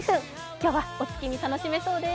今日はお月見、楽しめそうです。